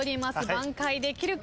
挽回できるか？